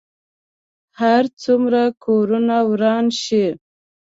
هر څومره کورونه وران شي.